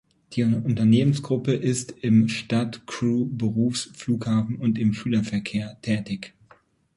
Die Unternehmensgruppe ist im Stadt-, Crew-, Berufs-, Flughafen- und im Schülerverkehr tätig.